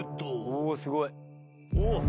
おおすごい。